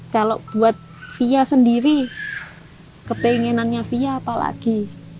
kalau buat fia sendiri kepinginannya fia apa lagi